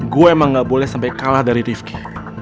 gue emang gak boleh sampe kalah dari rifki